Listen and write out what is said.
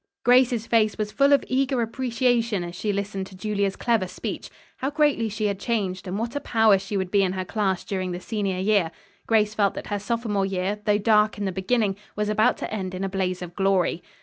Grace's face was full of eager appreciation as she listened to Julia's clever speech. How greatly she had changed, and what a power she would be in her class during the senior year. Grace felt that her sophomore year, though dark in the beginning, was about to end in a blaze of glory.